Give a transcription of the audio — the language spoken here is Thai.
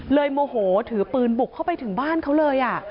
โมโหถือปืนบุกเข้าไปถึงบ้านเขาเลย